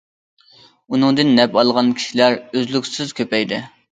ئۇنىڭدىن نەپ ئالغان كىشىلەر ئۈزلۈكسىز كۆپەيدى.